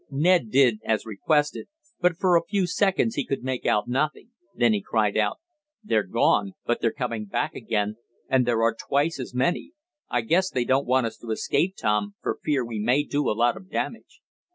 Ned did as requested, but for a few seconds he could make out nothing. Then he cried out: "They've gone, but they're coming back again, and there are twice as many. I guess they don't want us to escape, Tom, for fear we may do a lot of damage."